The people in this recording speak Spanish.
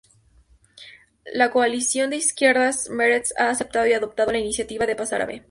La coalición de izquierdas Meretz ha aceptado y adoptado la Iniciativa de Paz Árabe.